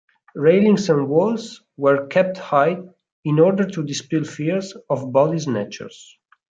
Railings and walls were kept high in order to dispel fears of body snatchers.